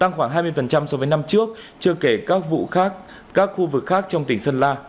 tăng khoảng hai mươi so với năm trước chưa kể các vụ khác các khu vực khác trong tỉnh sơn la